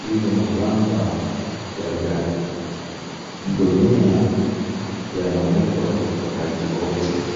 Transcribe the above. Hivyo mabamba ya gandunia yana mwendo wakati wote.